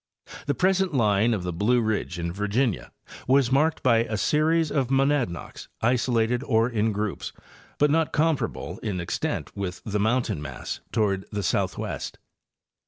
The present line of the Blue ridge in Virginia was marked by a series of monad nocks, isolated or in groups, but not comparable in extent with the mountain mass toward the southwest.